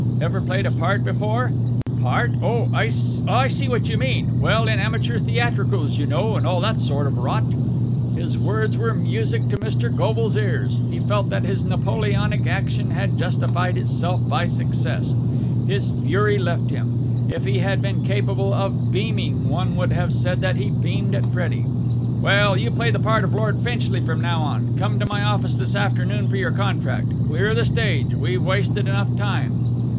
"Ever played a part before?" "Part? Oh, I see what you mean. Well, in amateur theatricals, you know, and all that sort of rot." His words were music to Mr. Goble's ears. He felt that his Napoleonic action had justified itself by success. His fury left him. If he had been capable of beaming, one would have said that he beamed at Freddie. "Well, you play the part of Lord Finchley from now on. Come to my office this afternoon for your contract. Clear the stage. We've wasted enough time."